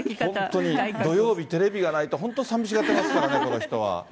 土曜日、テレビがないと、本当にさみしがってますからね、この人は。